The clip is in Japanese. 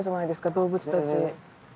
動物たち。